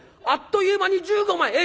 あっという間に１５枚！